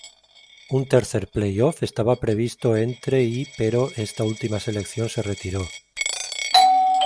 Un tercer "play-off" estaba previsto entre y pero esta última selección se retiró.